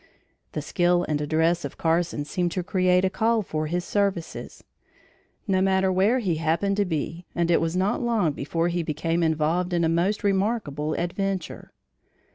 The skill and address of Carson seemed to create a call for his services, no matter where he happened to be, and it was not long before he became involved in a most remarkable adventure.